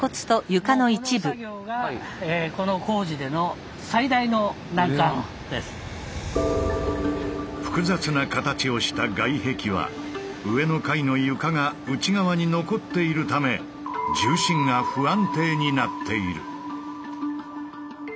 もうこの作業が複雑な形をした外壁は上の階の床が内側に残っているため重心が不安定になっている。